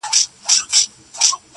o گوره په ما باندي ده څومره خپه.